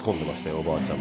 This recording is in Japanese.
おばあちゃん。